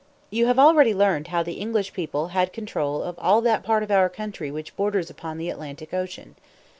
You have already learned how the English people had control of all that part of our country which borders upon the Atlantic Ocean.